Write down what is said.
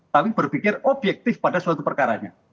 tapi berpikir objektif pada suatu perkaranya